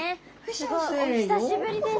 すごいお久しぶりです。